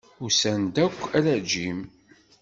Usan-d akk ala Jim.